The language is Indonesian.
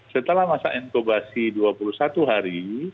setelah masa inkubasi dua puluh satu hari